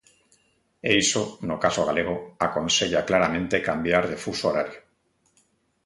E iso, no caso galego, aconsella claramente cambiar de fuso horario.